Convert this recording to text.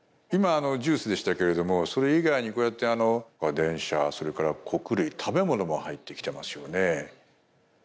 今ジュースでしたけれどもそれ以外にこうやって電車それから穀類食べものも入ってきてますよね。